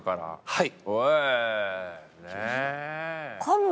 はい。